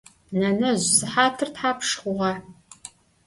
Nenezj, sıhatır thapşş xhuğa?